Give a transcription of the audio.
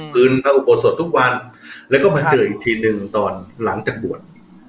พื้นเผาโปรโสตุทุกวันแล้วก็มาเจออีกทีนึงตอนหลังจากบวช